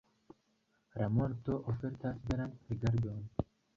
La monto ofertas belan rigardon.